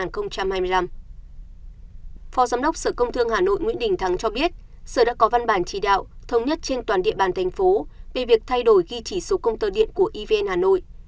phó giám đốc sở công thương hà nội nguyễn đình thắng cho biết sở đã có văn bản chỉ đạo thống nhất trên toàn địa bàn thành phố về việc thay đổi ghi chỉ số công tơ điện của evn hà nội